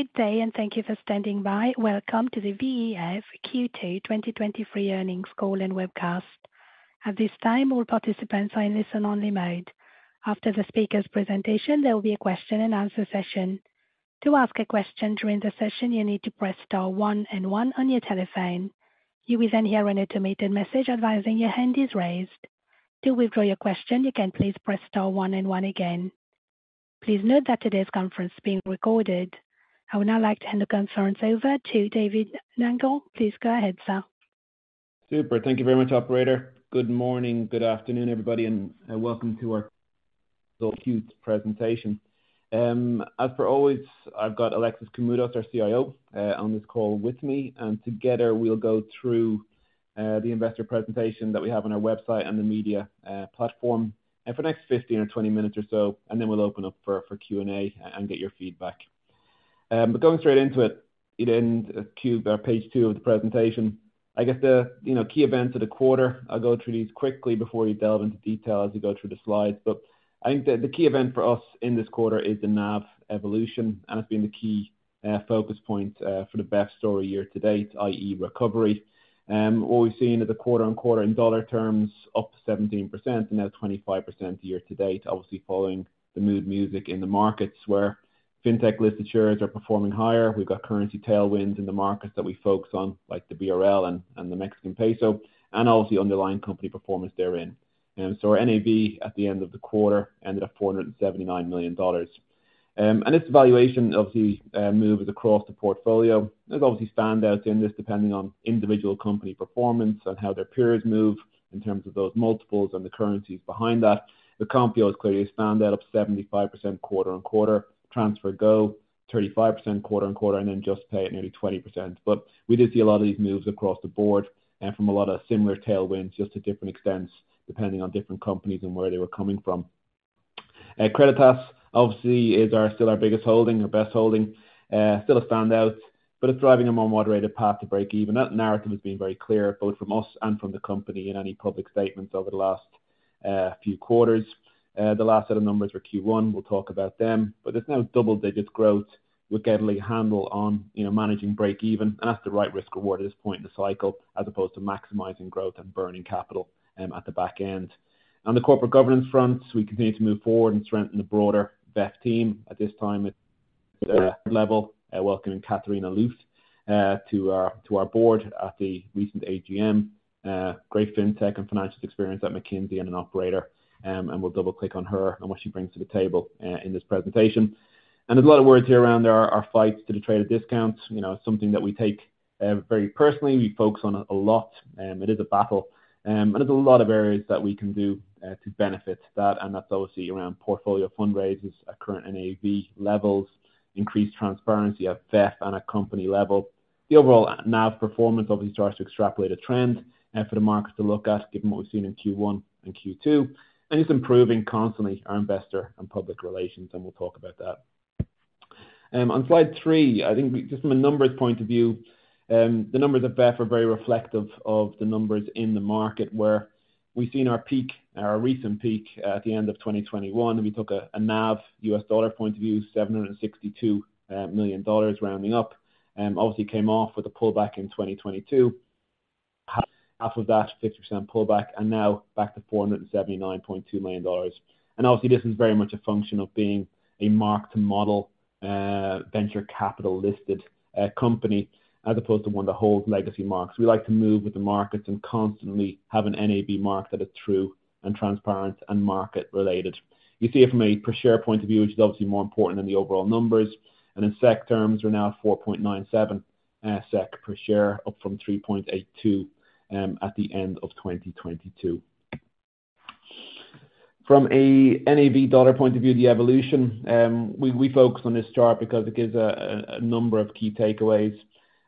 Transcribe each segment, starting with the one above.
Good day. Thank you for standing by. Welcome to the VEF Q2 2023 earnings call and webcast. At this time, all participants are in listen-only mode. After the speaker's presentation, there will be a question and answer session. To ask a question during the session, you need to press star one and one on your telephone. You will hear an automated message advising your hand is raised. To withdraw your question, you can please press star one and one again. Please note that today's conference is being recorded. I would now like to hand the conference over to David Nangle. Please go ahead, sir. Super. Thank you very much, operator. Good morning, good afternoon, everybody, welcome to our Q2 presentation. As per always, I've got Alexis Koumoudos, our CIO, on this call with me, together we'll go through the investor presentation that we have on our website and the media platform. For the next 15 or 20 minutes or so, then we'll open up for Q&A and get your feedback. Going straight into it, in cube or page 2 of the presentation, I guess the, you know, key events of the quarter, I'll go through these quickly before we delve into detail as we go through the slides. I think the key event for us in this quarter is the NAV evolution, and it's been the key focus point for the best story year-to-date, i.e., recovery. What we've seen is the quarter-on-quarter in dollar terms, up 17% and now 25% year-to-date, obviously following the mood music in the markets where fintech listed shares are performing higher. We've got currency tailwinds in the markets that we focus on, like the BRL and the Mexican peso, and obviously underlying company performance therein. So our NAV at the end of the quarter ended up $479 million. This valuation obviously moves across the portfolio. There's obviously standouts in this depending on individual company performance and how their peers move in terms of those multiples and the currencies behind that. The Konfío is clearly a standout of 75% quarter-on-quarter. TransferGo, 35% quarter-on-quarter, and then Juspay at nearly 20%. We did see a lot of these moves across the board and from a lot of similar tailwinds, just to different extents, depending on different companies and where they were coming from. Creditas obviously still our biggest holding, our best holding. Still a standout, but it's driving a more moderated path to breakeven. That narrative has been very clear, both from us and from the company in any public statements over the last few quarters. The last set of numbers were Q1. We'll talk about them. There's now double-digit growth with getting a handle on, you know, managing breakeven, and that's the right risk reward at this point in the cycle, as opposed to maximizing growth and burning capital, at the back end. On the corporate governance front, we continue to move forward and strengthen the broader VEF team. At this time, at the level, welcoming Katharina Lüth, to our, to our board at the recent AGM. Great fintech and financial experience at McKinsey and an operator, and we'll double-click on her and what she brings to the table, in this presentation. There's a lot of words here around our fight to the trade of discount. You know, something that we take, very personally. We focus on it a lot, it is a battle, there's a lot of areas that we can do to benefit that, and that's obviously around portfolio fundraises at current NAV levels, increased transparency at VEF and at company level. The overall NAV performance obviously starts to extrapolate a trend for the market to look at, given what we've seen in Q1 and Q2, and it's improving constantly, our investor and public relations, and we'll talk about that. On slide 3, I think just from a numbers point of view, the numbers at VEF are very reflective of the numbers in the market, where we've seen our peak, our recent peak, at the end of 2021, and we took a NAV U.S. dollar point of view, $762 million, rounding up. obviously came off with a pullback in 2022, half of that 60% pullback, now back to $479.2 million. obviously, this is very much a function of being a mark-to-model venture capital listed company, as opposed to one that holds legacy marks. We like to move with the markets and constantly have an NAV mark that is true and transparent and market related. You see it from a per share point of view, which is obviously more important than the overall numbers, in SEK terms, we're now at 4.97 SEK per share, up from 3.82 at the end of 2022. From a NAV USD point of view, the evolution, we focus on this chart because it gives a number of key takeaways.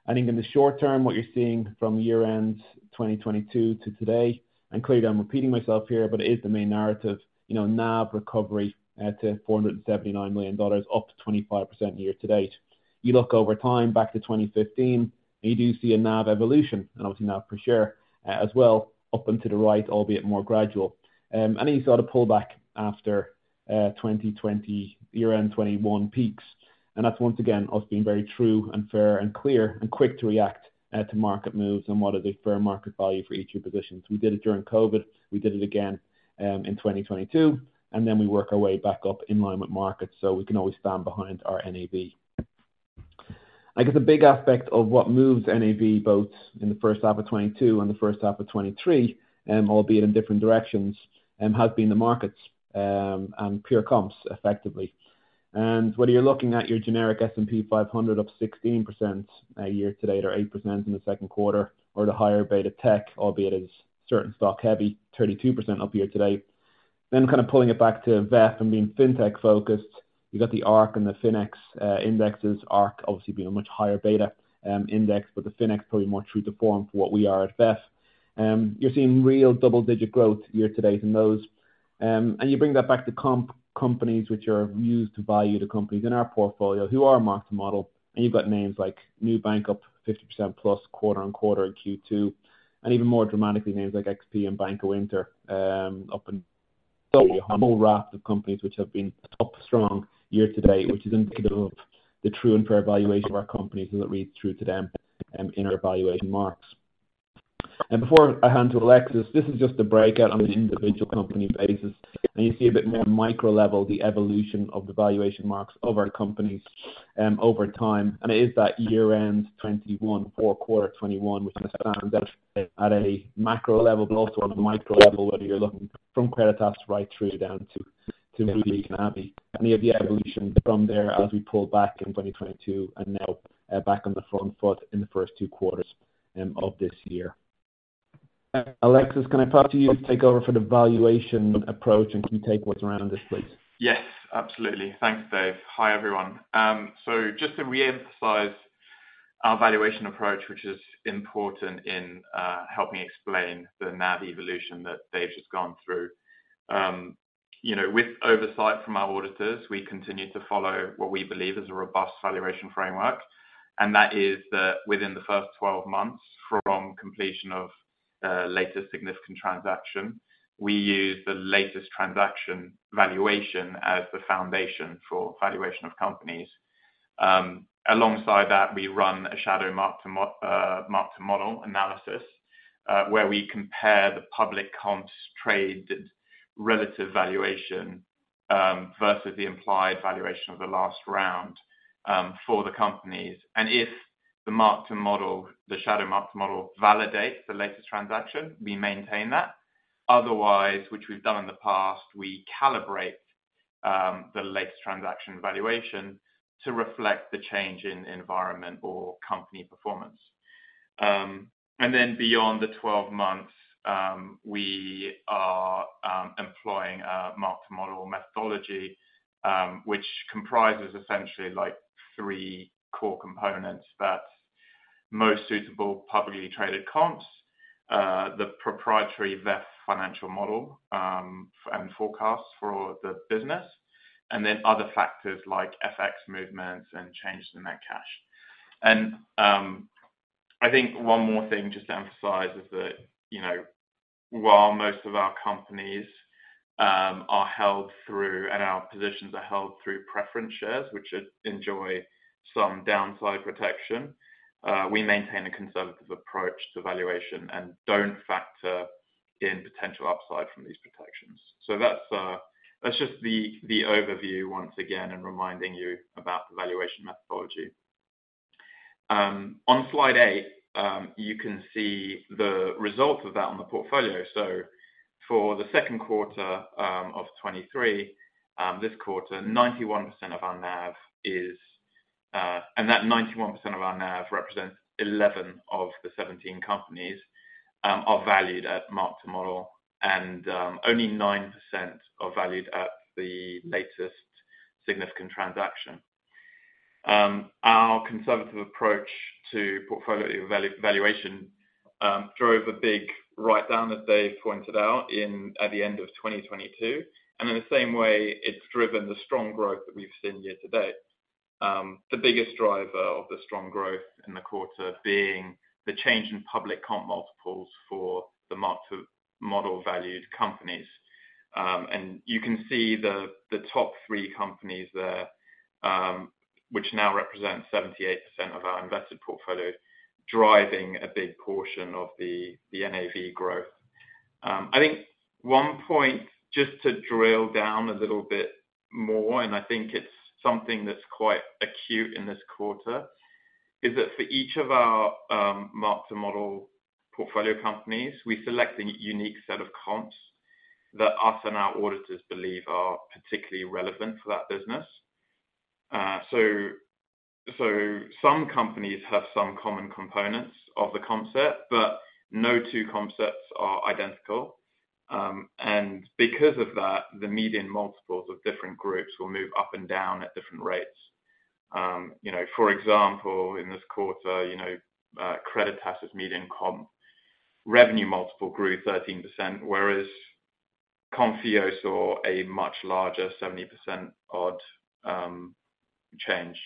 I think in the short term, what you're seeing from year end 2022 to today, and clearly I'm repeating myself here, but it is the main narrative, you know, NAV recovery, to $479 million, up to 25% year to date. You look over time back to 2015, you do see a NAV evolution and obviously NAV per share, as well, up and to the right, albeit more gradual. You saw the pullback after 2020, year end 2021 peaks. That's once again, us being very true and fair and clear and quick to react, to market moves and what are the fair market value for each of your positions. We did it during Covid, we did it again, in 2022, we work our way back up in line with markets, so we can always stand behind our NAV. I guess a big aspect of what moves NAV both in the first half of 2022 and the first half of 2023, albeit in different directions, has been the markets, and pure comps, effectively. Whether you're looking at your generic S&P 500 up 16% year to date, or 8% in the second quarter, or the higher beta tech, albeit it is certain stock heavy, 32% up here today. Pulling it back to VEF and being fintech focused, you've got the ARK and the FINX indexes. ARK obviously being a much higher beta index, the FINX probably more true to form for what we are at VEF. You're seeing real double-digit growth year-to-date in those. You bring that back to comp companies, which are used to value the companies in our portfolio who are mark-to-model, you've got names like Nubank up 50%+ quarter-on-quarter in Q2, even more dramatically, names like XP and Banco Inter up. A whole raft of companies which have been up strong year-to-date, which is indicative of the true and fair valuation of our companies as it reads through to them in our valuation marks. Before I hand to Alexis, this is just a breakout on an individual company basis. You see a bit more micro level, the evolution of the valuation marks of our companies over time. It is that year-end 21, 4Q 21, which stands out at a macro level, but also on a micro level, whether you're looking from Creditas right through down to Mudy and Abhi. The evolution from there as we pull back in 2022 and now back on the front foot in the first 2 quarters of this year. Alexis, can I pass it to you to take over for the valuation approach, and can you take what's around this, please? Yes, absolutely. Thanks, Dave. Hi, everyone. Just to reemphasize our valuation approach, which is important in helping explain the NAV evolution that Dave just gone through. You know, with oversight from our auditors, we continue to follow what we believe is a robust valuation framework, and that is that within the first 12 months from completion of latest significant transaction, we use the latest transaction valuation as the foundation for valuation of companies. Alongside that, we run a shadow mark-to-model analysis, where we compare the public comps traded relative valuation versus the implied valuation of the last round for the companies. If the mark-to-model, the shadow mark-to-model validates the latest transaction, we maintain that. Otherwise, which we've done in the past, we calibrate the latest transaction valuation to reflect the change in environment or company performance. Then beyond the 12 months, we are employing a mark-to-model methodology, which comprises essentially like 3 core components that most suitable publicly traded comps, the proprietary VEF financial model, and forecast for the business, and then other factors like FX movements and changes in net cash. I think one more thing, just to emphasize, is that, you know, while most of our companies and our positions are held through preference shares, which enjoy some downside protection, we maintain a conservative approach to valuation and don't factor in potential upside from these protections. That's just the overview once again and reminding you about the valuation methodology. On slide 8, you can see the results of that on the portfolio. For the second quarter of 2023, this quarter, 91% of our NAV is, and that 91% of our NAV represents 11 of the 17 companies, are valued at mark-to-model, and only 9% are valued at the latest significant transaction. Our conservative approach to portfolio valuation drove a big write-down, as Dave pointed out, at the end of 2022, and in the same way, it's driven the strong growth that we've seen year-to-date. The biggest driver of the strong growth in the quarter being the change in public comp multiples for the mark-to-model valued companies. You can see the top three companies there, which now represent 78% of our invested portfolio, driving a big portion of the NAV growth. I think one point, just to drill down a little bit more, I think it's something that's quite acute in this quarter, is that for each of our mark-to-model portfolio companies, we select a unique set of comps that us and our auditors believe are particularly relevant for that business. Some companies have some common components of the concept, but no two concepts are identical. Because of that, the median multiples of different groups will move up and down at different rates. You know, for example, in this quarter, you know, Creditas's median comp revenue multiple grew 13%, whereas Konfío saw a much larger 70% odd change.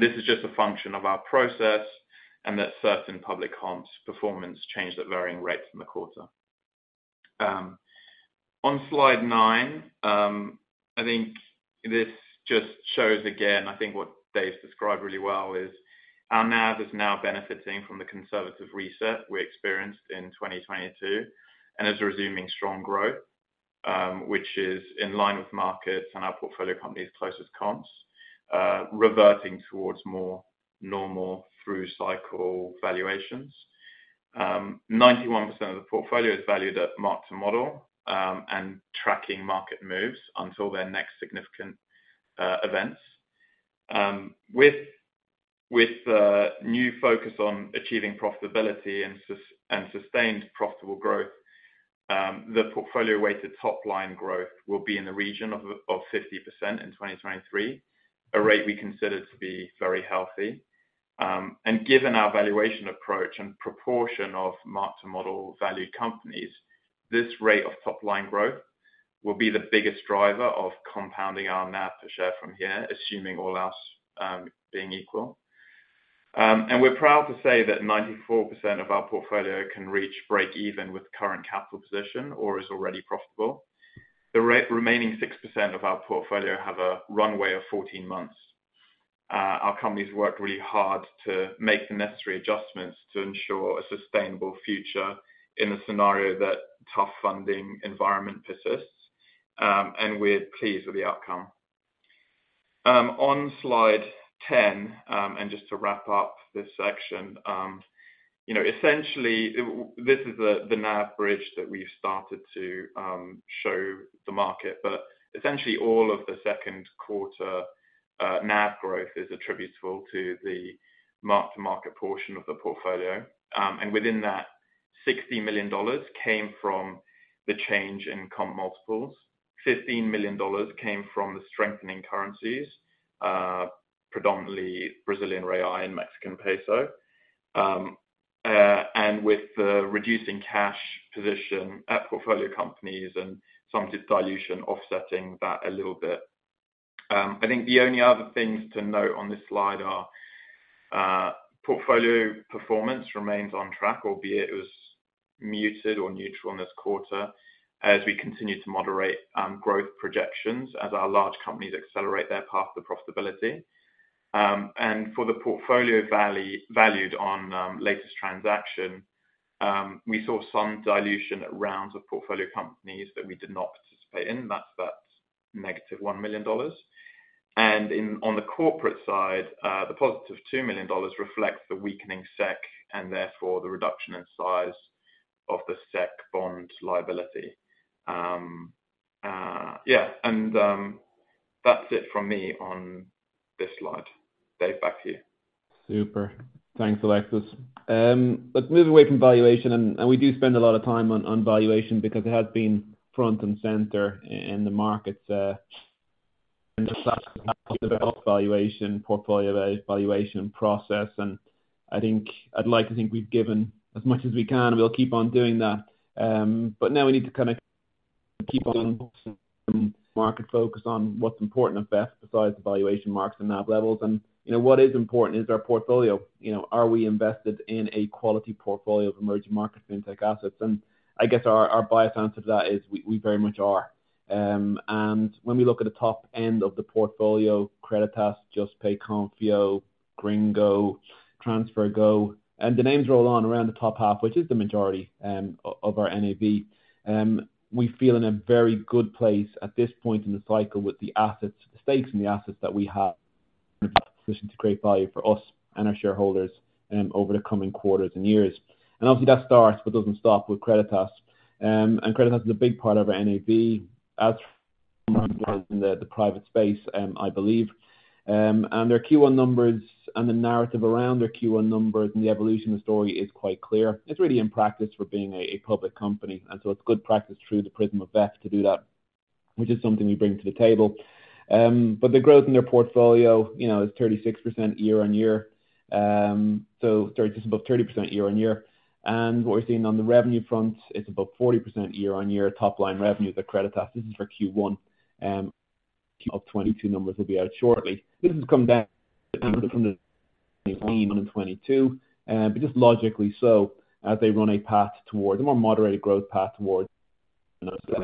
This is just a function of our process and that certain public comps performance changed at varying rates in the quarter. On slide 9, I think this just shows, again, I think what David described really well, is our NAV is now benefiting from the conservative reset we experienced in 2022 and is resuming strong growth, which is in line with markets and our portfolio company's closest comps, reverting towards more normal through cycle valuations. 91% of the portfolio is valued at mark-to-model, and tracking market moves until their next significant events. With new focus on achieving profitability and sustained profitable growth, the portfolio weighted top line growth will be in the region of 50% in 2023, a rate we consider to be very healthy. Given our valuation approach and proportion of mark-to-model valued companies, this rate of top-line growth will be the biggest driver of compounding our NAV per share from here, assuming all else being equal. We're proud to say that 94% of our portfolio can reach breakeven with current capital position or is already profitable. The remaining 6% of our portfolio have a runway of 14 months. Our companies worked really hard to make the necessary adjustments to ensure a sustainable future in a scenario that tough funding environment persists. We're pleased with the outcome. On Slide 10, and just to wrap up this section, you know, essentially, this is the NAV bridge that we've started to show the market. Essentially all of the second quarter NAV growth is attributable to the mark-to-market portion of the portfolio. Within that, $60 million came from the change in comp multiples. $15 million came from the strengthening currencies, predominantly Brazilian real and Mexican peso. With the reducing cash position at portfolio companies and some dilution offsetting that a little bit. I think the only other things to note on this slide are portfolio performance remains on track, albeit it was muted or neutral in this quarter, as we continue to moderate growth projections as our large companies accelerate their path to profitability. For the portfolio valued on latest transaction, we saw some dilution at rounds of portfolio companies that we did not participate in. That's negative $1 million. In... On the corporate side, the positive $2 million reflects the weakening SEK and therefore the reduction in size of the SEK bond liability. That's it from me on this slide. Dave, back to you. Super. Thanks, Alexis. Let's move away from valuation, and we do spend a lot of time on valuation because it has been front and center in the markets, valuation, portfolio valuation process. I'd like to think we've given as much as we can, and we'll keep on doing that. Now we need to kinda keep on market focus on what's important at best, besides valuation marks and NAV levels. You know, what is important is our portfolio. You know, are we invested in a quality portfolio of emerging markets, fintech assets? I guess our biased answer to that is we very much are. When we look at the top end of the portfolio, Creditas, Juspay, Konfío, Gringo, TransferGo, and the names roll on around the top half, which is the majority of our NAV. We feel in a very good place at this point in the cycle with the assets, the stakes in the assets that we have, to create value for us and our shareholders over the coming quarters and years. Obviously, that starts but doesn't stop with Creditas. Creditas is a big part of our NAV, as in the private space, I believe. Their Q1 numbers and the narrative around their Q1 numbers and the evolution of the story is quite clear. It's really in practice for being a public company, it's good practice through the prism of best to do that, which is something we bring to the table. The growth in their portfolio, you know, is 36% year-on-year. 30%, just above 30% year-on-year. What we're seeing on the revenue front is about 40% year-on-year, top line revenue at Creditas. This is for Q1. Q1 2022 numbers will be out shortly. This has come back from 2022, just logically so, as they run a path towards a more moderated growth path towards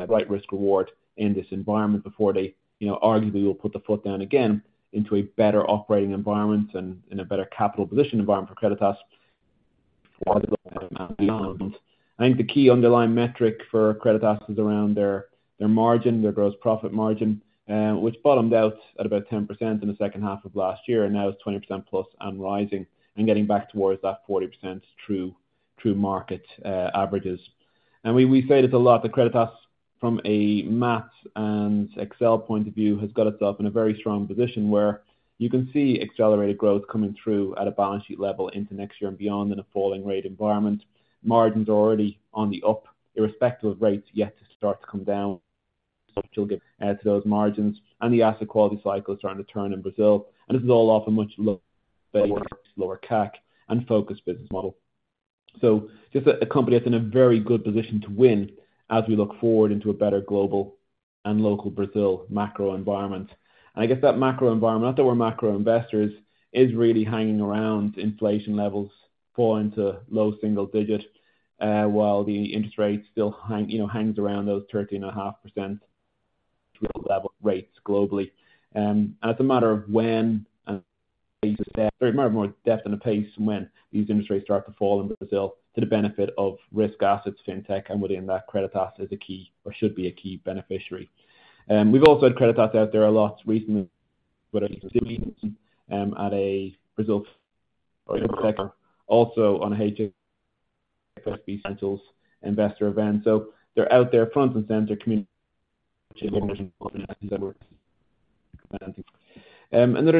right risk reward in this environment before they, you know, arguably will put the foot down again into a better operating environment and in a better capital position environment for Creditas. I think the key underlying metric for Creditas is around their margin, their gross profit margin, which bottomed out at about 10% in the second half of last year, and now it's 20% plus and rising, and getting back towards that 40% true market averages. We say this a lot, but Creditas from a math and Excel point of view, has got itself in a very strong position where you can see accelerated growth coming through at a balance sheet level into next year and beyond in a falling rate environment. Margins are already on the up, irrespective of rates yet to start to come down, which will give add to those margins and the asset quality cycle starting to turn in Brazil. This is all off a much lower CAC and focused business model. Just a company that's in a very good position to win as we look forward into a better global and local Brazil macro environment. I guess that macro environment, not that we're macro investors, is really hanging around inflation levels, fall into low single-digit, while the interest rate still hang, you know, hangs around those 13 and a half percent global level rates globally. As a matter of when, more depth than a pace and when these interest rates start to fall in Brazil to the benefit of risk assets, fintech, and within that, Creditas is a key or should be a key beneficiary. We've also had Creditas out there a lot recently, at a Brazil also. Another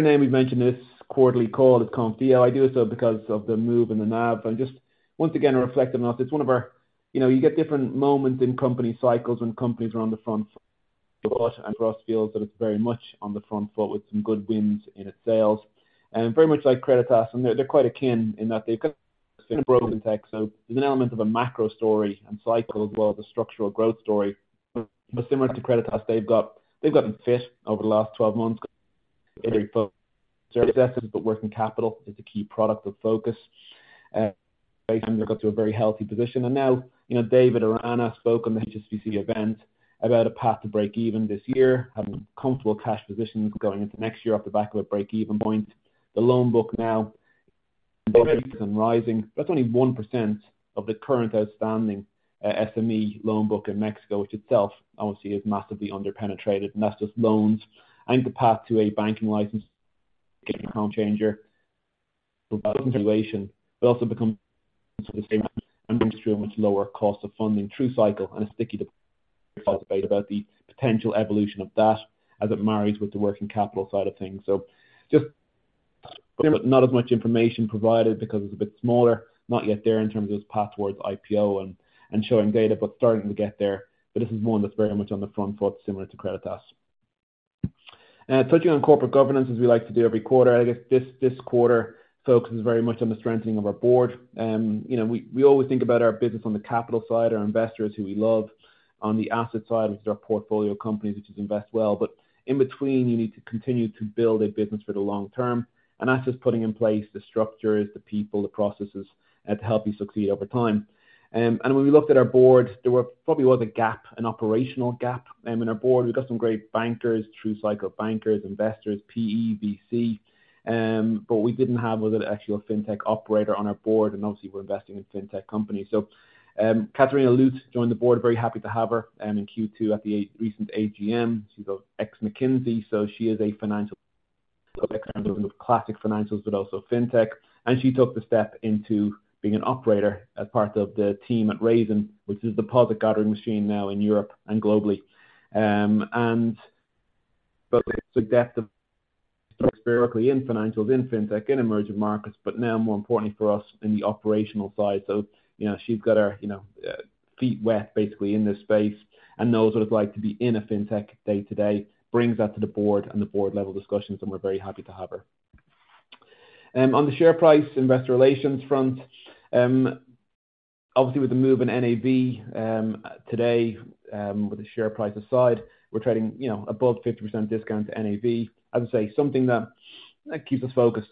name we've mentioned, this quarterly call is Konfío. I do so because of the move in the NAV and just once again, to reflect enough, it's one of our... You know, you get different moments in company cycles when companies are on the front foot, and Konfio feels that it's very much on the front foot with some good wins in its sales. Very much like Creditas, and they're quite akin in that they've got-... in fintech, so there's an element of a macro story and cycle as well as a structural growth story. Similar to Creditas, they've gotten fit over the last 12 months. Working capital is a key product of focus. They got to a very healthy position. Now, you know, David or Anna spoke on the HSBC event about a path to break even this year, having comfortable cash positions going into next year off the back of a break-even point. The loan book now and rising. That's only 1% of the current outstanding SME loan book in Mexico, which itself obviously is massively underpenetrated, and that's just loans. The path to a banking license a game-changer. We also become and brings through a much lower cost of funding through cycle and a sticky debate about the potential evolution of that as it marries with the working capital side of things. Just not as much information provided because it's a bit smaller, not yet there in terms of its path towards IPO and showing data, but starting to get there. This is one that's very much on the front foot, similar to Creditas. Touching on corporate governance, as we like to do every quarter, I guess this quarter focuses very much on the strengthening of our board. You know, we always think about our business on the capital side, our investors, who we love. On the asset side, which is our portfolio companies, which is invest well. In between, you need to continue to build a business for the long term, and that's just putting in place the structures, the people, the processes to help you succeed over time. When we looked at our board, probably was a gap, an operational gap in our board. We've got some great bankers, true cycle bankers, investors, PE, VC, but we didn't have was an actual fintech operator on our board, and obviously, we're investing in fintech companies. Katharina Lüth joined the board, very happy to have her in Q2 at the recent AGM. She's ex-McKinsey, so she is a financial classic financials, but also fintech. She took the step into being an operator as part of the team at Raisin, which is deposit gathering machine now in Europe and globally. It's adaptive, historically, in financials, in fintech, in emerging markets, but now more importantly for us, in the operational side. You know, she's got her, you know, feet wet, basically, in this space and knows what it's like to be in a fintech day-to-day, brings that to the board and the board level discussions, and we're very happy to have her. On the share price, investor relations front, obviously, with the move in NAV, today, with the share price aside, we're trading, you know, above 50% discount to NAV. As I say, something that keeps us focused.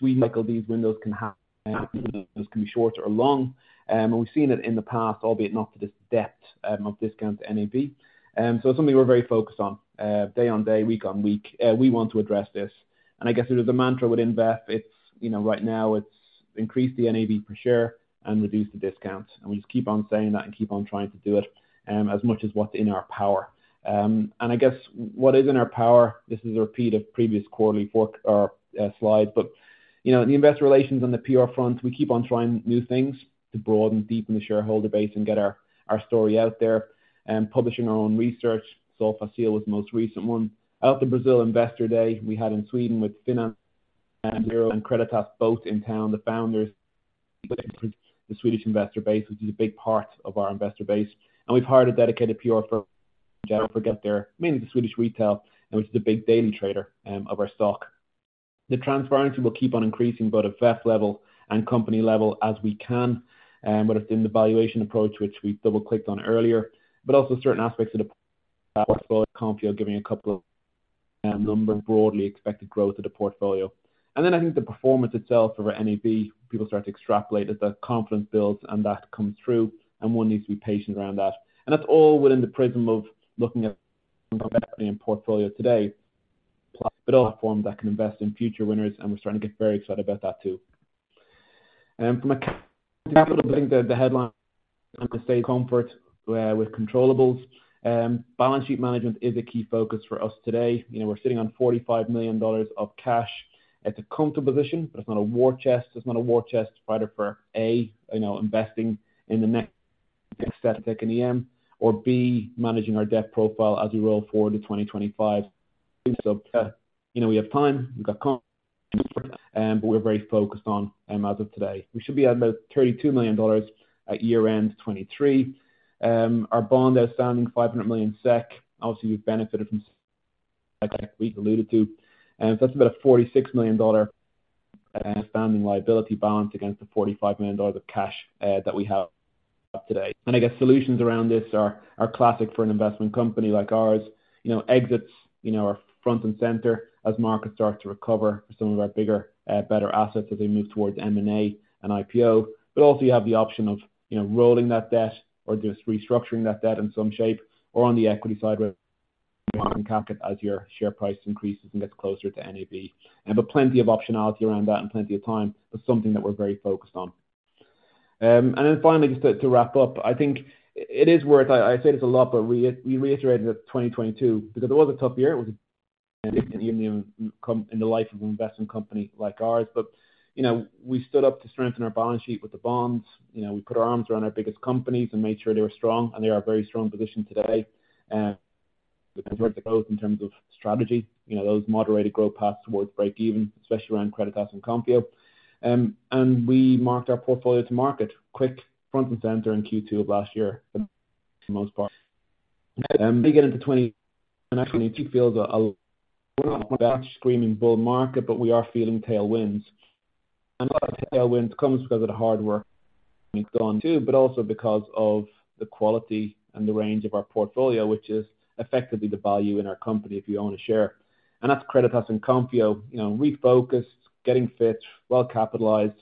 We cycle these windows can have, can be shorter or long, and we've seen it in the past, albeit not to this depth, of discount to NAV. It's something we're very focused on, day on day, week on week. We want to address this. I guess there is a mantra within VEF, it's, you know, right now it's increase the NAV per share and reduce the discount. We just keep on saying that and keep on trying to do it, as much as what's in our power. I guess what is in our power, this is a repeat of previous quarterly slides, but, you know, the investor relations on the PR front, we keep on trying new things to broaden, deepen the shareholder base and get our story out there. Publishing our own research. Solfácil was the most recent one. Out in Brazil Investor Day, we had in Sweden with FinanZero and Creditas both in town, the founders, the Swedish investor base, which is a big part of our investor base. We've hired a dedicated PR firm, forget there, mainly the Swedish retail, and which is a big daily trader of our stock. The transparency will keep on increasing, both at VEF level and company level as we can, but it's in the valuation approach, which we double-clicked on earlier, but also certain aspects of the portfolio, Konfío, giving a couple of numbers, broadly expected growth of the portfolio. Then I think the performance itself for our NAV, people start to extrapolate as that confidence builds and that comes through, and one needs to be patient around that. That's all within the prism of looking at portfolio today, but also a platform that can invest in future winners, and we're starting to get very excited about that, too. From a capital, the headline, I could say comfort with controllables. Balance sheet management is a key focus for us today. You know, we're sitting on $45 million of cash. It's a comfortable position, but it's not a war chest. It's not a war chest fighter for, A, you know, investing in the next tech in EM, or B, managing our debt profile as we roll forward to 2025. You know, we have time, we've got comfort, but we're very focused on as of today. We should be at about $32 million at year-end 2023. Our bond outstanding, 500 million SEK. Obviously, we've benefited from we alluded to. That's about a $46 million outstanding liability balance against the $45 million of cash that we have today. I guess solutions around this are classic for an investment company like ours. You know, exits, you know, are front and center as markets start to recover for some of our bigger, better assets as they move towards M&A and IPO. Also, you have the option of, you know, rolling that debt or just restructuring that debt in some shape, or on the equity side, as your share price increases and gets closer to NAV. Plenty of optionality around that and plenty of time, but something that we're very focused on. Finally, just to wrap up, I think it is worth it. I say this a lot, but we reiterated it at 2022 because it was a tough year. It was a in the life of an investment company like ours. You know, we stood up to strengthen our balance sheet with the bonds. You know, we put our arms around our biggest companies and made sure they were strong, and they are a very strong position today, with regard to growth in terms of strategy. You know, those moderated growth paths towards break even, especially around Creditas and Konfío. We marked our portfolio to market, quick, front and center in Q2 of last year, for the most part. We get into 20, feels we're not screaming bull market, but we are feeling tailwinds. A lot of tailwind comes because of the hard work it's gone to, but also because of the quality and the range of our portfolio, which is effectively the value in our company if you own a share. and Konfío, you know, refocused, getting fit, well capitalized,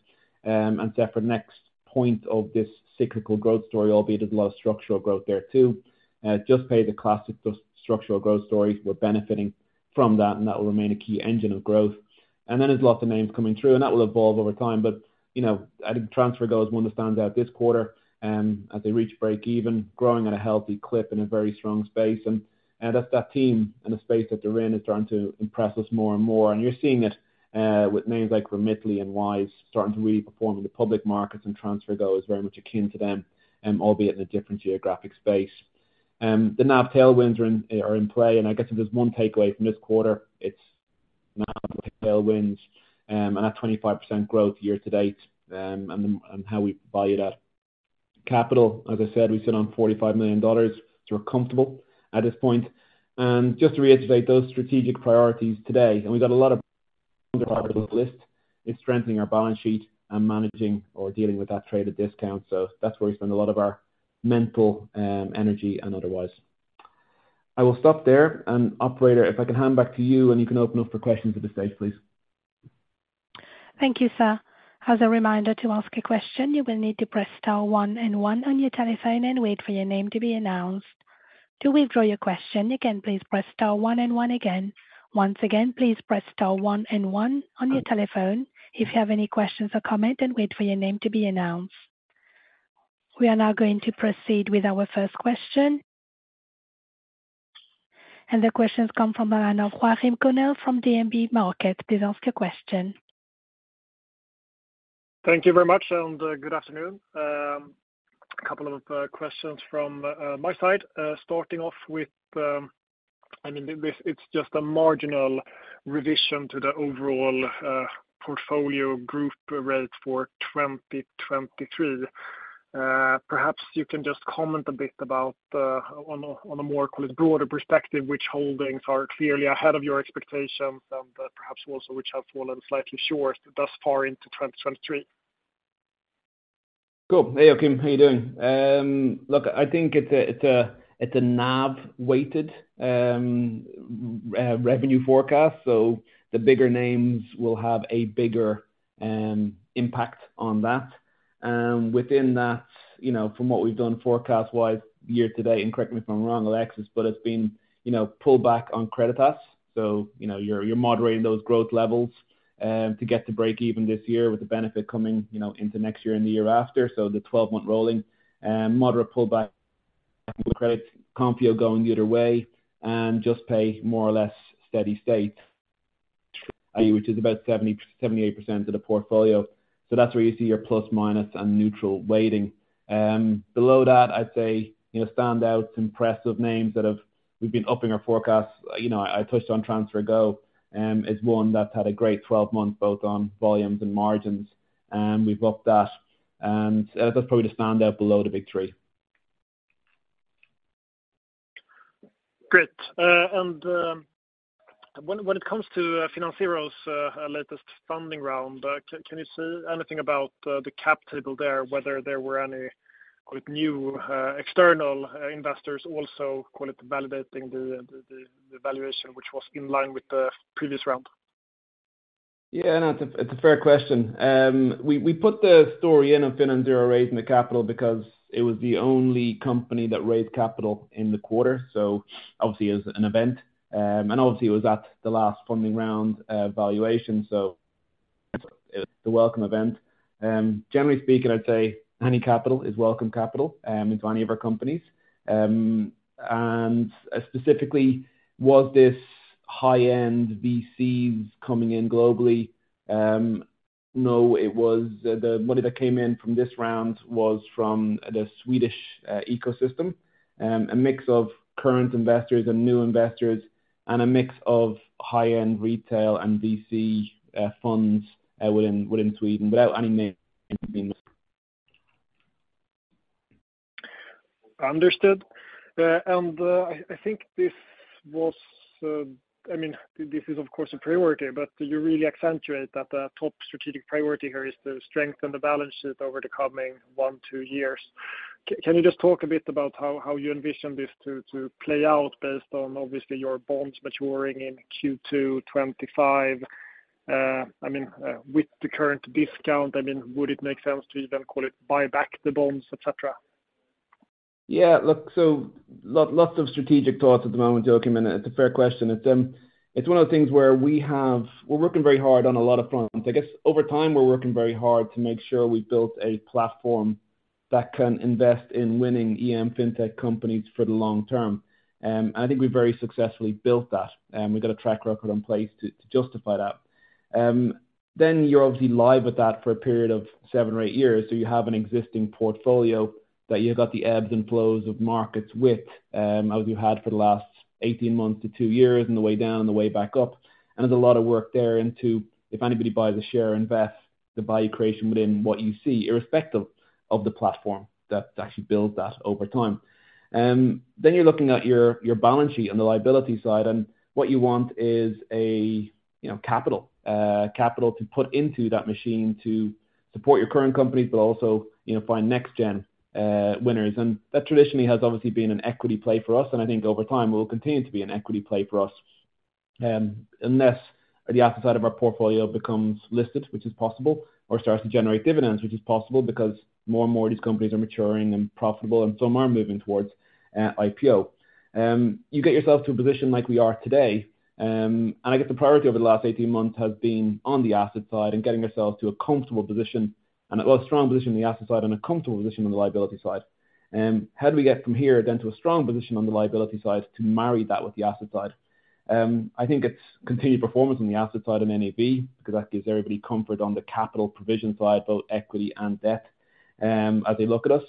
and set for next point of this cyclical growth story, albeit there's a lot of structural growth there, too. Juspay the classic structural growth story. We're benefiting from that, and that will remain a key engine of growth. Then there's lots of names coming through, and that will evolve over time. But, you know, I think TransferGo is one that stands out this quarter, as they reach breakeven, growing at a healthy clip in a very strong space. That's that team and the space that they're in is starting to impress us more and more. You're seeing it with names like Remitly and Wise starting to really perform in the public markets, and TransferGo is very much akin to them, albeit in a different geographic space. The NAV tailwinds are in, are in play, and I guess if there's one takeaway from this quarter, it's NAV tailwinds, and at 25% growth year-to-date, and how we value that. Capital, as I said, we sit on $45 million, so we're comfortable at this point. Just to reiterate those strategic priorities today, and we've got a lot of inaudible list, is strengthening our balance sheet and managing or dealing with that traded discount. That's where we spend a lot of our mental energy and otherwise. I will stop there. Operator, if I can hand back to you, and you can open up for questions at this stage, please. Thank you, sir. As a reminder to ask a question, you will need to press star 1 and 1 on your telephone and wait for your name to be announced. To withdraw your question, you can please press star 1 and 1 again. Once again, please press star 1 and 1 on your telephone if you have any questions or comment, and wait for your name to be announced. We are now going to proceed with our first question. The question's come from the line of Joachim Gunell from DNB Markets. Please ask your question. Thank you very much, and good afternoon. A couple of questions from my side. Starting off with, I mean, this, it's just a marginal revision to the overall portfolio group rate for 2023. Perhaps you can just comment a bit about on a more broader perspective, which holdings are clearly ahead of your expectations, and perhaps also which have fallen slightly short thus far into 2023? Cool. Hey, Joachim, how are you doing? Look, I think it's a NAV-weighted revenue forecast, the bigger names will have a bigger impact on that. Within that, you know, from what we've done forecast-wise year to date, correct me if I'm wrong, Alexis, it's been, you know, pull back on Creditas. You know, you're moderating those growth levels to get to breakeven this year with the benefit coming, you know, into next year and the year after. The 12-month rolling, moderate pullback credit, Konfío going the other way, Juspay more or less steady state, which is about 70-78% of the portfolio. That's where you see your plus, minus, and neutral weighting. Below that, I'd say, you know, standouts, impressive names that have... We've been upping our forecast. You know, I touched on TransferGo, is one that's had a great 12 months, both on volumes and margins, and we've upped that. That's probably the standout below the big three. Great. when it comes to FinanZero's latest funding round, can you say anything about the cap table there, whether there were any quite new, external, investors also call it validating the valuation, which was in line with the previous round? Yeah, no, it's a, it's a fair question. We, we put the story in on FinanZero raising the capital because it was the only company that raised capital in the quarter, so obviously is an event. Obviously it was at the last funding round valuation, so it's a welcome event. Generally speaking, I'd say any capital is welcome capital in any of our companies. Specifically, was this high-end VCs coming in globally? No, the money that came in from this round was from the Swedish ecosystem, a mix of current investors and new investors, and a mix of high-end retail and VC funds within Sweden, without any name in between. Understood. I think this was... I mean, this is, of course, a priority. You really accentuate that the top strategic priority here is to strengthen the balance sheet over the coming one, two years. Can you just talk a bit about how you envision this to play out based on, obviously, your bonds maturing in Q2 2025? I mean, with the current discount, I mean, would it make sense to even call it, buy back the bonds, et cetera? Yeah, look, lots of strategic thoughts at the moment, Joachim, and it's a fair question. It's one of the things where we're working very hard on a lot of fronts. I guess, over time, we're working very hard to make sure we've built a platform that can invest in winning EM Fintech companies for the long term. I think we very successfully built that, and we've got a track record in place to justify that. You're obviously live with that for a period of 7 or 8 years, so you have an existing portfolio that you've got the ebbs and flows of markets with, as you had for the last 18 months to 2 years, and the way down and the way back up. There's a lot of work there into if anybody buys a share, invest the value creation within what you see, irrespective of the platform that actually builds that over time. Then you're looking at your balance sheet on the liability side, and what you want is a, you know, capital to put into that machine to support your current companies, but also, you know, find next gen winners. That traditionally has obviously been an equity play for us, and I think over time will continue to be an equity play for us. Unless the asset side of our portfolio becomes listed, which is possible, or starts to generate dividends, which is possible because more and more of these companies are maturing and profitable, and some are moving towards IPO. You get yourself to a position like we are today, and I guess the priority over the last 18 months has been on the asset side and getting ourselves to a comfortable position, well, a strong position on the asset side and a comfortable position on the liability side. How do we get from here then to a strong position on the liability side to marry that with the asset side? I think it's continued performance on the asset side and NAV, because that gives everybody comfort on the capital provision side, both equity and debt, as they look at us.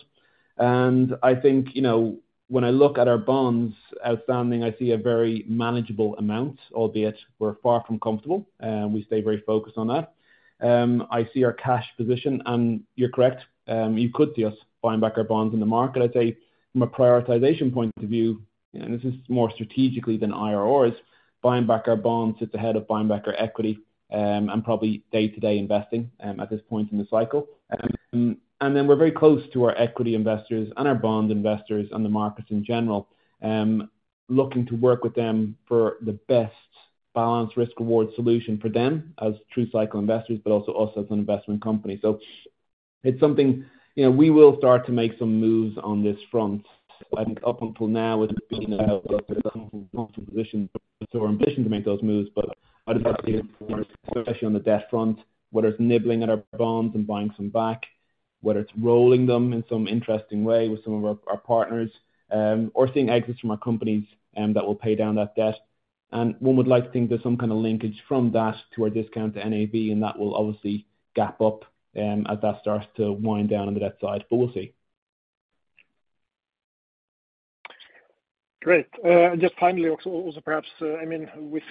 I think, you know, when I look at our bonds outstanding, I see a very manageable amount, albeit we're far from comfortable, and we stay very focused on that. I see our cash position, and you're correct, you could see us buying back our bonds in the market. I'd say from a prioritization point of view, and this is more strategically than IRRs, buying back our bonds is ahead of buying back our equity, and probably day-to-day investing, at this point in the cycle. We're very close to our equity investors and our bond investors and the markets in general. Looking to work with them for the best balanced risk/reward solution for them as true cycle investors, but also us as an investment company. It's something, you know, we will start to make some moves on this front. I think up until now, it's been about a comfortable position. It's our ambition to make those moves, but I just see, especially on the debt front, whether it's nibbling at our bonds and buying some back, whether it's rolling them in some interesting way with some of our partners, or seeing exits from our companies, that will pay down that debt. One would like to think there's some kind of linkage from that to our discount to NAV, and that will obviously gap up, as that starts to wind down on the debt side, but we'll see. Great. Just finally, also perhaps, I mean, with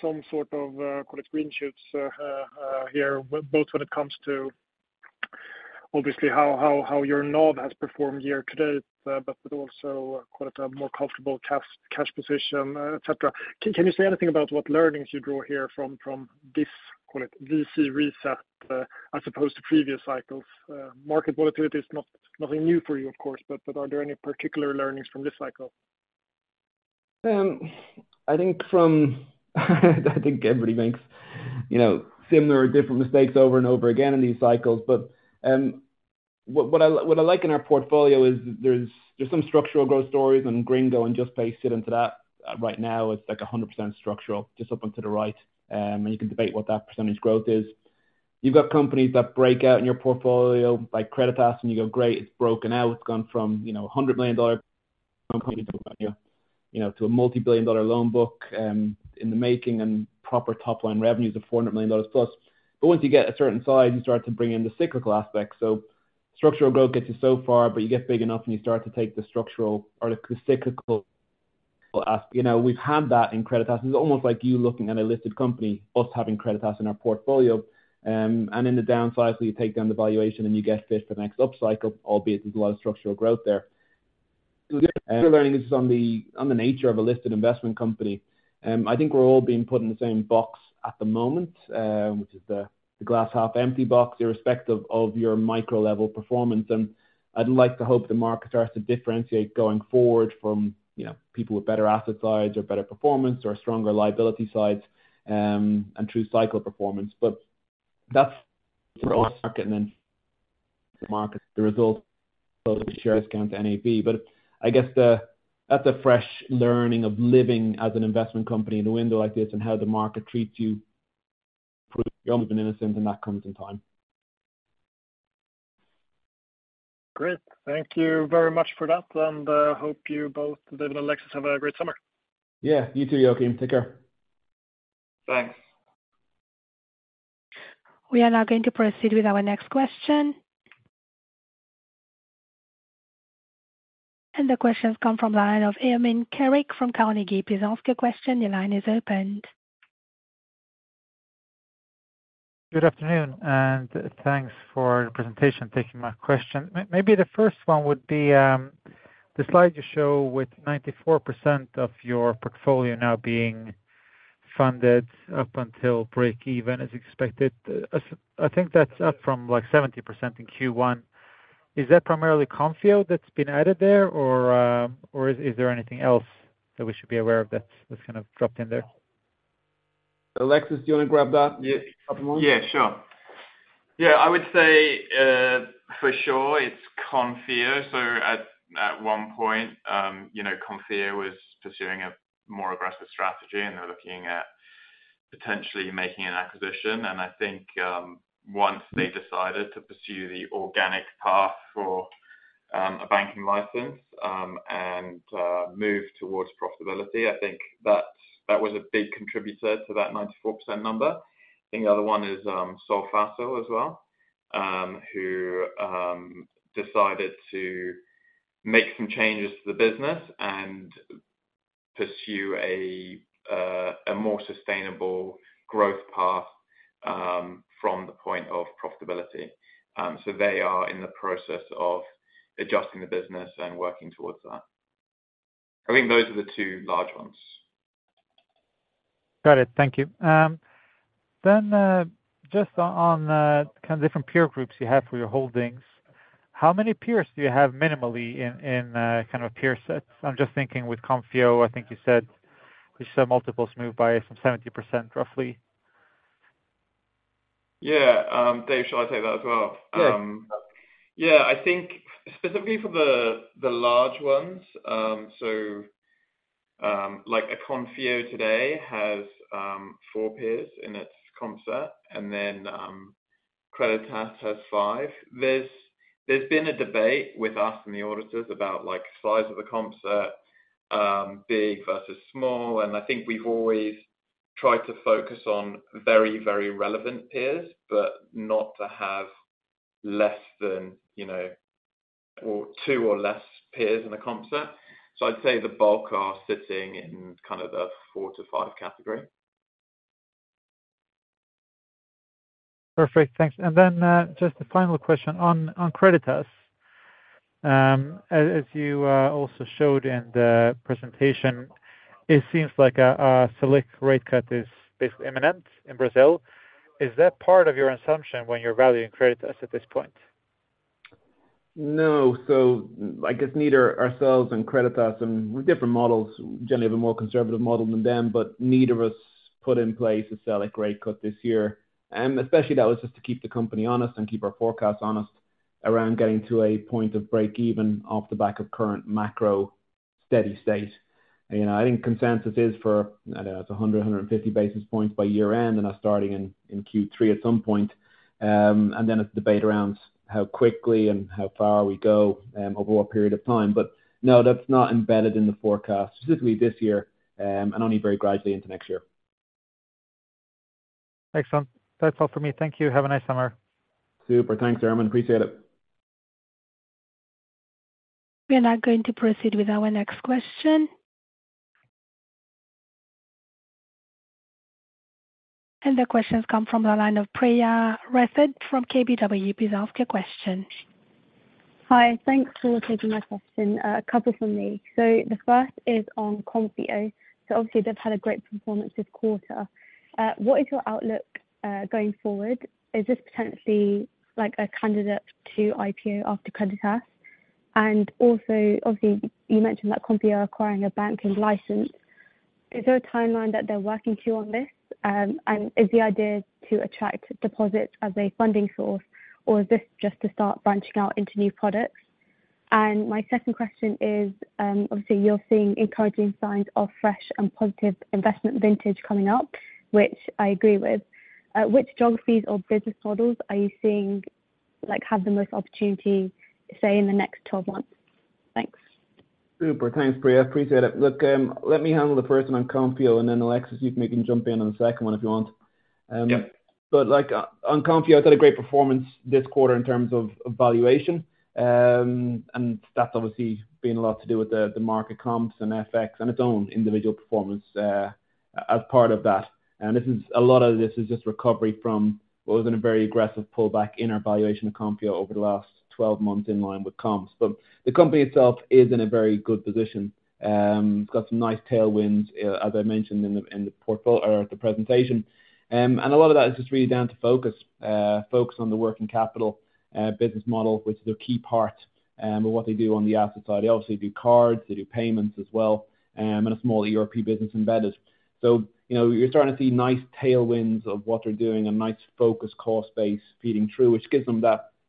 some sort of, call it green shoots here, both when it comes to obviously how your NAV has performed here today, but also call it a more comfortable cash position, etc. Can you say anything about what learnings you draw here from this, call it VC reset, as opposed to previous cycles? Market volatility is not nothing new for you, of course, but are there any particular learnings from this cycle? I think everybody makes, you know, similar or different mistakes over and over again in these cycles. What I like in our portfolio is there's some structural growth stories, and Gringo and Juspay fit into that. Right now, it's like 100% structural, just up and to the right, and you can debate what that percentage growth is. You've got companies that break out in your portfolio, like Creditas, and you go, "Great, it's broken out. It's gone from, you know, a $100 million company to, you know, to a multi-billion dollar loan book in the making and proper top line revenues of $400 million plus." Once you get a certain size, you start to bring in the cyclical aspects. Structural growth gets you so far. You get big enough, you start to take the structural or the cyclical as. You know, we've had that in Creditas. It's almost like you looking at a listed company, us having Creditas in our portfolio. In the downsides, where you take down the valuation and you get fit for the next upcycle, albeit there's a lot of structural growth there. Learning this is on the, on the nature of a listed investment company. I think we're all being put in the same box at the moment, which is the glass half empty box, irrespective of your micro-level performance. I'd like to hope the market starts to differentiate going forward from, you know, people with better asset sides or better performance or stronger liability sides, and true cycle performance. That's for our market and then the market, the results, both the share discount to NAV. I guess that's a fresh learning of living as an investment company in a window like this and how the market treats you. You're almost innocent, and that comes in time. Great. Thank you very much for that, and, hope you both, David and Alexis, have a great summer. Yeah, you too, Joachim. Take care. Thanks. We are now going to proceed with our next question. The question comes from the line of Ermin Keric from Carnegie. Please ask your question. The line is opened. Good afternoon, and thanks for the presentation. Thank you for my question. Maybe the first one would be, the slide you show with 94% of your portfolio now being funded up until break even, as expected. I think that's up from like 70% in Q1. Is that primarily Konfío that's been added there, or is there anything else that we should be aware of that's kind of dropped in there? Alexis, do you want to grab that? Yeah. Yeah, sure. Yeah, I would say, for sure it's Konfío. At one point, you know, Konfío was pursuing a more aggressive strategy. They were looking at potentially making an acquisition. I think, once they decided to pursue the organic path for a banking license and move towards profitability, I think that was a big contributor to that 94% number. I think the other one is Solfácil as well, who decided to make some changes to the business and pursue a more sustainable growth path from the point of profitability. They are in the process of adjusting the business and working towards that. I think those are the two large ones. Got it. Thank you. Just on kind of different peer groups you have for your holdings, how many peers do you have minimally in kind of peer sets? I'm just thinking with Konfío, I think you said, you saw multiples move by some 70% roughly. Dave, shall I take that as well? Yeah. Yeah, I think specifically for the large ones, so, like a Konfío today has 4 peers in its concept, and then Creditas has 5. There's been a debate with us and the auditors about like size of the concept, big versus small, and I think we've always tried to focus on very, very relevant peers, but not to have less than, you know, or 2 or less peers in a concept. I'd say the bulk are sitting in kind of the 4-5 category. Perfect. Thanks. Then, just a final question on Creditas. As you also showed in the presentation, it seems like a Selic rate cut is basically imminent in Brazil. Is that part of your assumption when you're valuing Creditas at this point? No. I guess neither ourselves and Creditas and with different models, generally have a more conservative model than them, but neither of us put in place a Selic rate cut this year. Especially that was just to keep the company honest and keep our forecast honest around getting to a point of break even off the back of current macro steady state. You know, I think consensus is for, I don't know, it's 150 basis points by year end, and are starting in Q3 at some point. A debate around how quickly and how far we go over what period of time. No, that's not embedded in the forecast, specifically this year, and only very gradually into next year. Excellent. That's all for me. Thank you. Have a nice summer. Super. Thanks, Herman. Appreciate it. We are now going to proceed with our next question. The question's come from the line of Priya Rafed from KBW. Please ask your question. Hi, thanks for taking my question. A couple from me. The first is on Konfío. Obviously, they've had a great performance this quarter. What is your outlook going forward? Is this potentially like a candidate to IPO after Creditas? Also, obviously, you mentioned that Konfío are acquiring a banking license. Is there a timeline that they're working to on this? Is the idea to attract deposits as a funding source, or is this just to start branching out into new products? My second question is, obviously, you're seeing encouraging signs of fresh and positive investment vintage coming up, which I agree with. Which geographies or business models are you seeing, like, have the most opportunity, say, in the next 12 months? Thanks. Super. Thanks, Priya. I appreciate it. Look, let me handle the first one on Konfío, and then, Alexis, you can maybe jump in on the second one if you want. Yep. But like, on Konfío, they had a great performance this quarter in terms of valuation. That's obviously been a lot to do with the market comps and FX and its own individual performance as part of that. A lot of this is just recovery from what was in a very aggressive pullback in our valuation of Konfío over the last 12 months, in line with comps. The company itself is in a very good position. It's got some nice tailwinds as I mentioned in the presentation. A lot of that is just really down to focus on the working capital business model, which is a key part of what they do on the asset side. They obviously do cards, they do payments as well, and a small ERP business embedded. You know, you're starting to see nice tailwinds of what they're doing, a nice focused cost base feeding through, which gives them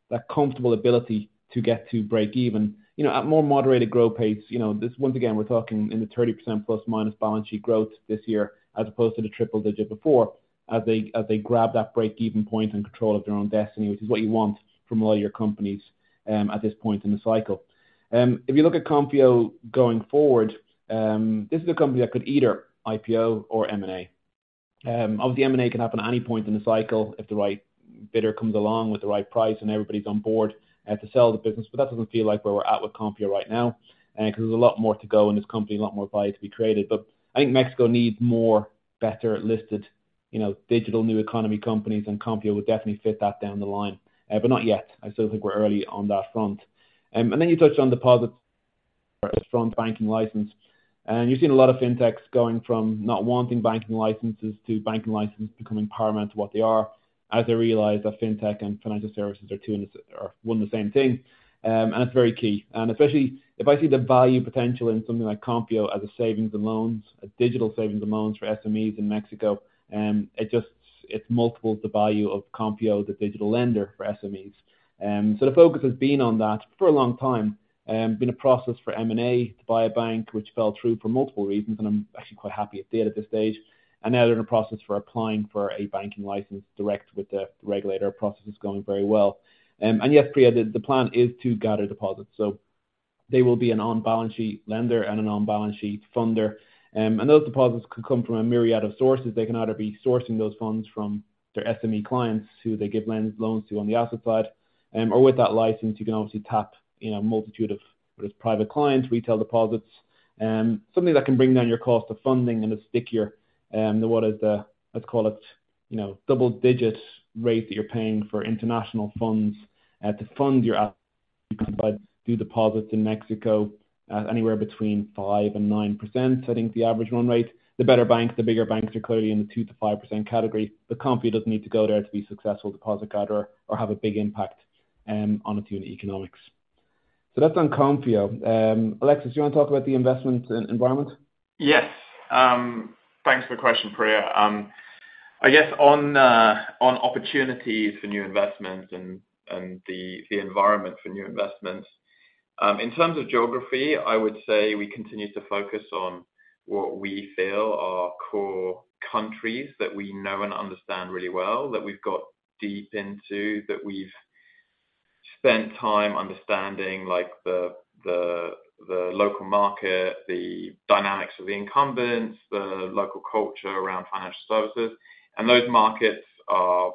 that comfortable ability to get to break even. You know, at more moderated growth rates, you know, this, once again, we're talking in the 30% plus minus balance sheet growth this year, as opposed to the triple digit before, as they grab that break even point and control of their own destiny, which is what you want from all your companies, at this point in the cycle. If you look at Konfío going forward, this is a company that could either IPO or M&A. Obviously, M&A can happen at any point in the cycle if the right bidder comes along with the right price and everybody's on board, to sell the business, but that doesn't feel like where we're at with Konfío right now, because there's a lot more to go in this company, a lot more value to be created. I think Mexico needs more better listed, you know, digital new economy companies, and Konfío would definitely fit that down the line, but not yet. I still think we're early on that front. Then you touched on deposits from banking license, and you've seen a lot of fintechs going from not wanting banking licenses to banking licenses becoming paramount to what they are, as they realize that fintech and financial services are one and the same thing. It's very key, and especially if I see the value potential in something like Konfío as a savings and loans, a digital savings and loans for SMEs in Mexico, it just, it multiples the value of Konfío, the digital lender for SMEs. The focus has been on that for a long time, been a process for M&A to buy a bank, which fell through for multiple reasons, and I'm actually quite happy it did at this stage. And now they're in a process for applying for a banking license direct with the regulator. Process is going very well. Yes, Priya, the plan is to gather deposits, so they will be an on-balance sheet lender and an on-balance sheet funder. Those deposits could come from a myriad of sources. They can either be sourcing those funds from their SME clients who they give loans to on the asset side. Or with that license, you can obviously tap, you know, a multitude of, whether it's private clients, retail deposits, something that can bring down your cost of funding and is stickier than what is the, let's call it, you know, double digits rate that you're paying for international funds to fund your deposits in Mexico at anywhere between 5%-9%, I think the average run rate. The better banks, the bigger banks are clearly in the 2%-5% category. The company doesn't need to go there to be successful deposit gather or have a big impact on its unit economics. That's on Konfío. Alexis, do you want to talk about the investment environment? Yes. Thanks for the question, Priya. I guess on opportunities for new investments and the environment for new investments, in terms of geography, I would say we continue to focus on what we feel are core countries that we know and understand really well, that we've got deep into, that we've spent time understanding, like the local market, the dynamics of the incumbents, the local culture around financial services. Those markets are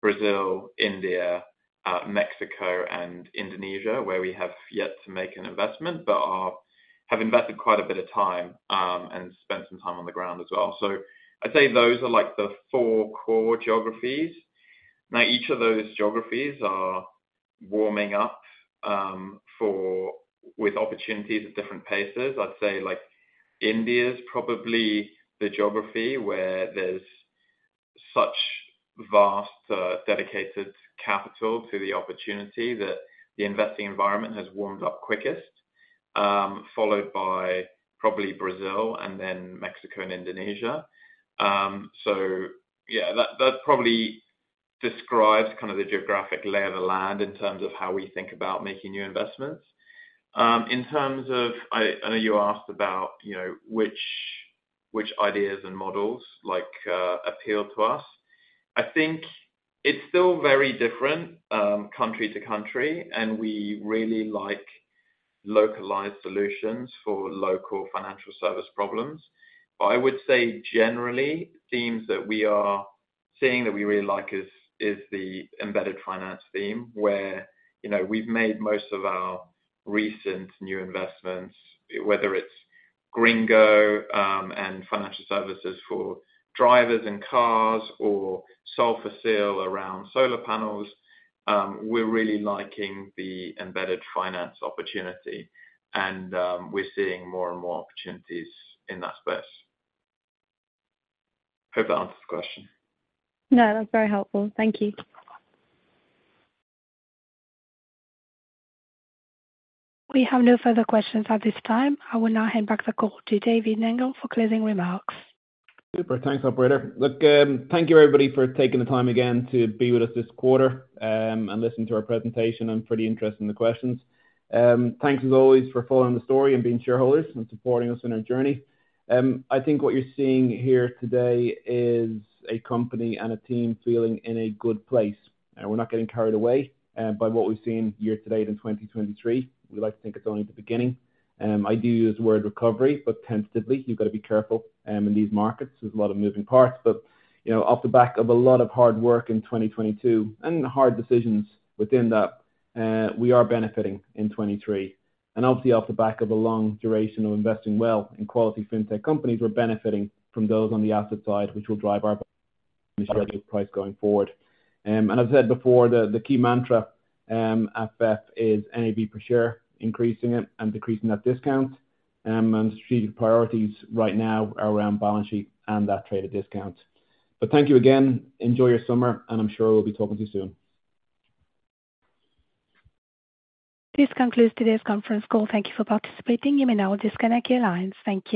Brazil, India, Mexico, and Indonesia, where we have yet to make an investment, but have invested quite a bit of time and spent some time on the ground as well. I'd say those are like the four core geographies. Each of those geographies are warming up for with opportunities at different paces. I'd say, like, India is probably the geography where there's such vast, dedicated capital to the opportunity that the investing environment has warmed up quickest, followed by probably Brazil and then Mexico and Indonesia. Yeah, that probably describes kind of the geographic lay of the land in terms of how we think about making new investments. In terms-- I know you asked about, you know, which ideas and models like, appeal to us. I think it's still very different, country to country, and we really like localized solutions for local financial service problems. I would say, generally, themes that we are seeing that we really like is the embedded finance theme, where, you know, we've made most of our recent new investments, whether it's Gringo, and financial services for drivers and cars or Solar for Sale around solar panels, we're really liking the embedded finance opportunity, and we're seeing more and more opportunities in that space. Hope that answers the question. No, that's very helpful. Thank you. We have no further questions at this time. I will now hand back the call to David Nangle for closing remarks. Super. Thanks, operator. Look, thank you, everybody, for taking the time again to be with us this quarter and listen to our presentation. I'm pretty interested in the questions. Thanks, as always, for following the story and being shareholders and supporting us on our journey. I think what you're seeing here today is a company and a team feeling in a good place, and we're not getting carried away by what we've seen year to date in 2023. We like to think it's only the beginning. I do use the word recovery, but tentatively, you've got to be careful in these markets. There's a lot of moving parts, but, you know, off the back of a lot of hard work in 2022 and hard decisions within that, we are benefiting in 2023. Obviously, off the back of a long duration of investing well in quality fintech companies, we're benefiting from those on the asset side, which will drive our price going forward. I've said before, the key mantra at VEF, is NAV per share, increasing it and decreasing that discount. Strategic priorities right now are around balance sheet and that traded discount. Thank you again. Enjoy your summer, and I'm sure we'll be talking to you soon. This concludes today's conference call. Thank you for participating. You may now disconnect your lines. Thank you.